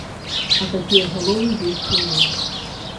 А такія галовы ёсць і ў нас.